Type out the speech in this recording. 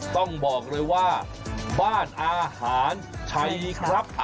ต้องบอกเลยว่าบ้านอาหารชัยครับ